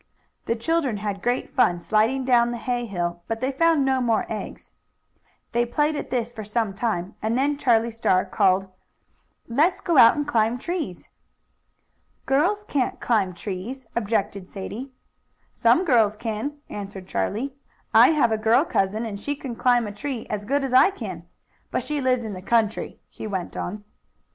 The children had great fun sliding down the hay hill, but they found no more eggs. They played at this for some time, and then Charlie Star called: "Let's go out and climb trees!" "Girls can't climb trees," objected Sadie. "Some girls can," answered Charlie. "I have a girl cousin, and she can climb a tree as good as I can. But she lives in the country," he went on.